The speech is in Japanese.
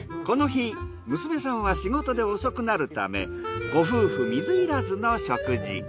この日娘さんは仕事で遅くなるためご夫婦水入らずの食事。